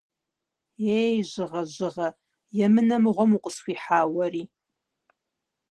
Ей, Жьыгъэ, Жьыгъэ! Емынэ мыгъуэм укъысхуихьа уэри!